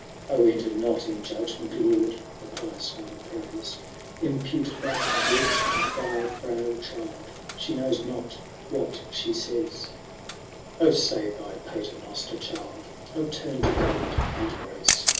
" O enter not in judgment, Lord !" The pious mother prays ; "Impute not guilt to thy frail child ! She knows not what she says. "WILLIAM AND HELEN. 711 ' O say thy Pater Noster, child ! O turn to God and grace